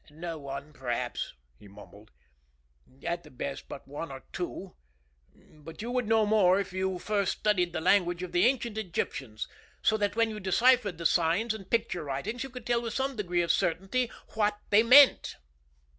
"No one, perhaps," he mumbled. "At the best, but one or two. But you would know more if you first studied the language of the ancient Egyptians, so that when you deciphered the signs and picture writings you could tell with some degree of certainty what they meant."